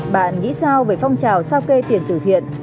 bạn nghĩ sao về phong trào sao kê tiền tử thiện